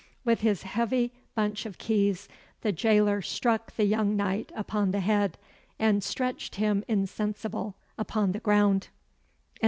With his heavy bunch of keys the jailer struck the young knight upon the head, and stretched him insensible upon the ground.